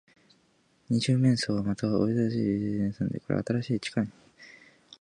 二十面相は、また、おびただしい美術品をぬすみためて、この新しいかくれがの地下室に、秘密の宝庫をこしらえていたのです。